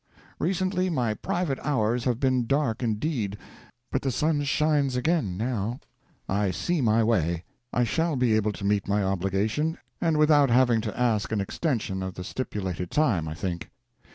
Recently my private hours have been dark indeed, but the sun shines again now; I see my way; I shall be able to meet my obligation, and without having to ask an extension of the stipulated time, I think.